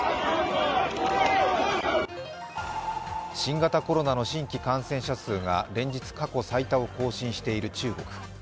新型コロナの新規感染者数が連日、過去最多を更新している中国。